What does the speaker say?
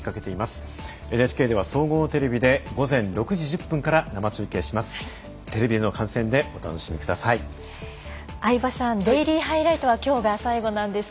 ＮＨＫでは総合テレビで午前６時１０分から生中継します。